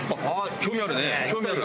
興味ある。